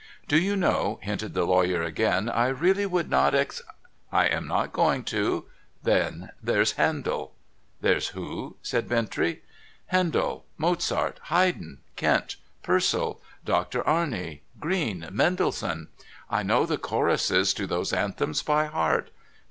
' Do you know,' hinted the lawyer again, ' I really would not e.Y '' I am not going to. Then there's Handel.' ' There's who ?' asked Bintrey. ' Handel, Mozart, Haydn, Kent, Purcell, Doctor Arne, Greene, Mendelssohn. I know the choruses to those anthems by heart.